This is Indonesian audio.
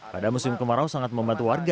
pada musim kemarau sangat membantu warga